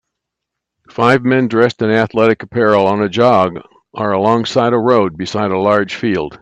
Five men dressed in athletic apparel on a jog are along side a road beside a large field